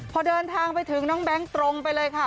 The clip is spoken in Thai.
พอเดินทางไปถึงน้องแบงค์ตรงไปเลยค่ะ